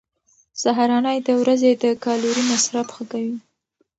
سهارنۍ د ورځې د کالوري مصرف ښه کوي.